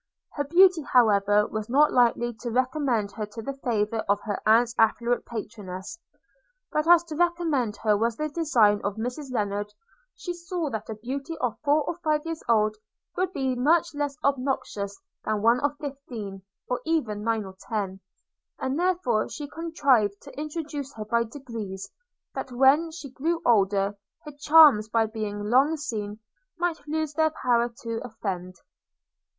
Her beauty however was not likely to recommend her to the favour of her aunt's affluent patroness; but as to recommend her was the design of Mrs Lennard, she saw that a beauty of four or five years old would be much less obnoxious than one of fifteen, or even nine or ten; and therefore she contrived to introduce her by degrees; that when she grew older, her charms, by being long seen, might lose their power to offend.